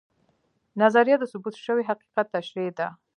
نظریه د ثبوت شوي حقیقت تشریح ده